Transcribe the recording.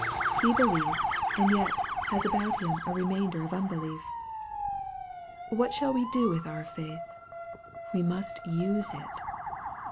He believes, and yet has about him a remainder of unbelief. What shall we do with our faith ? We must use it.